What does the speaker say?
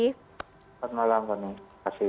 selamat malam terima kasih